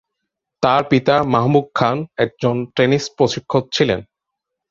তার পিতা মাহবুব খান একজন টেনিস প্রশিক্ষক ছিলেন।